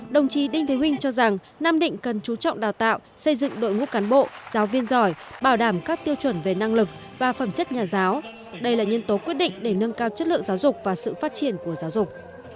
đồng chí đinh thế huynh cho rằng nam định cần chú trọng đào tạo xây dựng đội ngũ cán bộ giáo viên giỏi bảo đảm các tiêu chuẩn về năng lực và phẩm chất nhà giáo đây là nhân tố quyết định để nâng cao chất lượng giáo dục và sự phát triển của giáo dục